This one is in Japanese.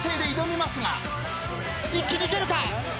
一気にいけるか？